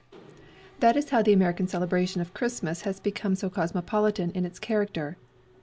That is how the American celebration of Christmas has become so cosmopolitan in its character.